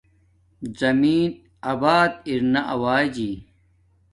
زمین آباد ارنا آواجی